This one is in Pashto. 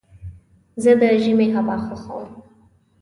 زه د ژمي هوا خوښوم.